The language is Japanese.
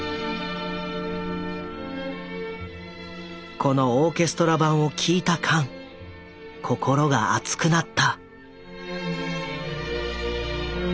このオーケストラ版を聴いたカン心が熱くなった。